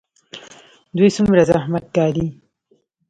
دوی څومره زحمت ګالي؟